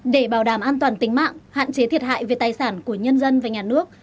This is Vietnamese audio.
để bảo đảm an toàn tính mạng hạn chế thiệt hại về tài sản của nhân dân và nhà nước